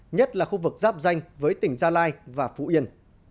nhất là khu vực giáp danh với tỉnh gia lai và phú yên